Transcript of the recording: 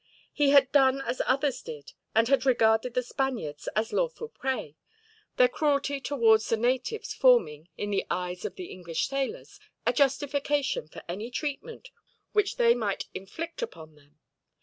He had done as others did, and had regarded the Spaniards as lawful prey, their cruelty towards the natives forming, in the eyes of the English sailors, a justification for any treatment which they might inflict upon them.